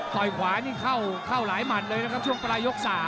ขวานี่เข้าหลายหมัดเลยนะครับช่วงปลายยก๓